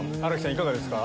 いかがですか？